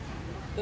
え？